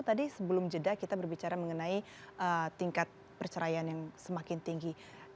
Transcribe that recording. tadi sebelum jeda kita berbicara mengenai tingkat perceraian yang semakin tinggi